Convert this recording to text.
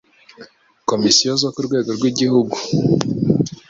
Komisiyo zo ku rwego rw igihugu